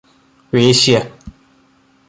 വേശ്യ